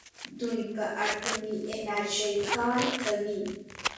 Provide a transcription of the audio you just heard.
دوی په اټومي انرژۍ کار کوي.